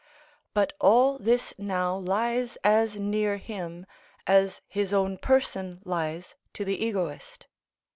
But all this now lies as near him as his own person lies to the egoist.